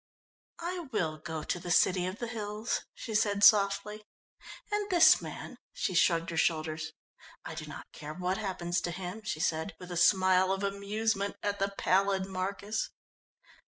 "I will go to the city of the hills," she said softly, "and this man," she shrugged her shoulders, "I do not care what happens to him," she said, with a smile of amusement at the pallid Marcus.